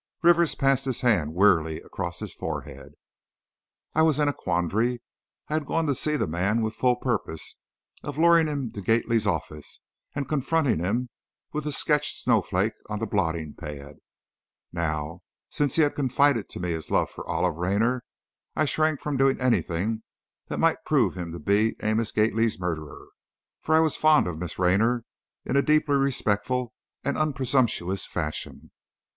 Rivers passed his hand wearily across his forehead. I was in a quandary. I had gone to see the man with full purpose of luring him to Gately's office and confronting him with the sketched snowflake on the blotting pad. Now, since he had confided to me his love for Olive Raynor, I shrank from doing anything that might prove him to be Amos Gately's murderer. For I was fond of Miss Raynor, in a deeply respectful and unpresumptuous fashion.